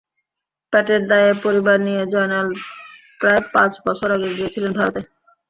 পেটের দায়ে পরিবার নিয়ে জয়নাল প্রায় পাঁচ বছর আগে গিয়েছিলেন ভারতে।